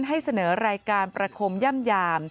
ให้เสนอรายการประคมย่ำยาม